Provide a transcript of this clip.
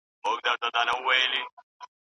د ملکیار په اړه معلومات په تاریخ کې خوندي دي